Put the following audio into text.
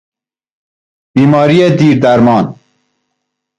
بیماری دیردرمان